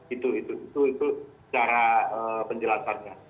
itu itu itu itu cara penjelasannya